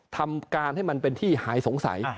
ทำการให้มันเป็นที่หายสงสัย